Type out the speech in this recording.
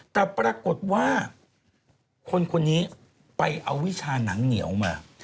แต่ปรากฏว่าคนคนนี้ไปเอาวิชาหนังเหนียวมา